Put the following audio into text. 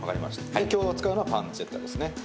今日使うのはパンチェッタですね。